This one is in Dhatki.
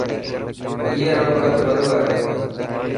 اي رو قد وڏو هي.